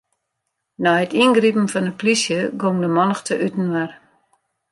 Nei it yngripen fan 'e plysje gong de mannichte útinoar.